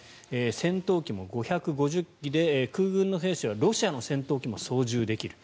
戦闘機も５５０機で空軍の兵士はロシアの戦闘機も操縦できる。